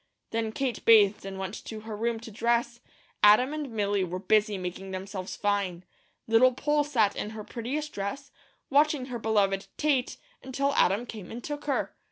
Then Kate bathed and went to her room to dress. Adam and Milly were busy making themselves fine. Little Poll sat in her prettiest dress, watching her beloved "Tate," until Adam came and took her.